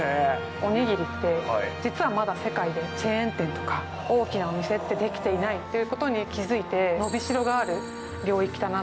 おにぎりって、実はまだ、世界でチェーン店とか、大きなお店ってできていないということに気付いて、伸びしろがあ